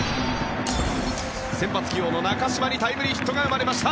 先発起用の中島にタイムリーヒットが生まれました。